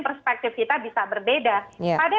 perspektif kita bisa berbeda pada